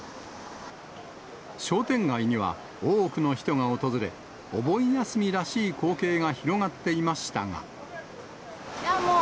商店街には多くの人が訪れ、お盆休みらしい光景が広がっていいやもう、